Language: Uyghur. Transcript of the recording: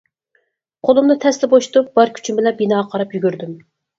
قولۇمنى تەستە بوشىتىپ بار كۈچۈم بىلەن بىناغا قاراپ يۈگۈردۈم.